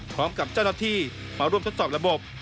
พร้อมกับเจ้าหน้าที่มาร่วมทดสอบระบบ